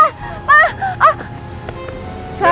ah ah sakit